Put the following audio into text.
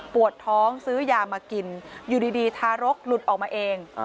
ปวดท้องซื้อยามากินอยู่ดีทารกหลุดออกมาเอง